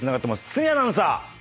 堤アナウンサー。